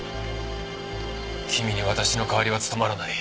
君に私の代わりは務まらない。